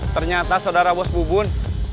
ternyata saudara bos bobon